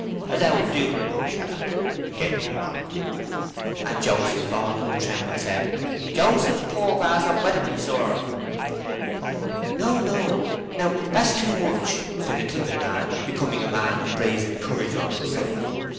as owls do, you know, shepherd" (Gabriel nodded), "and Joseph, all in a tremble, said, 'Joseph Poorgrass, of Weatherbury, sir!'" "No, no, now—that's too much!" said the timid man, becoming a man of brazen courage all of a sudden.